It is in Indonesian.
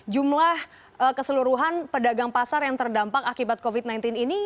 jumlah keseluruhan pedagang pasar yang terdampak akibat covid sembilan belas ini